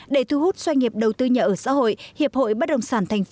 để thu hút doanh nghiệp đầu tư nhà ở xã hội hiệp hội bất đồng sản tp hcm đề nghị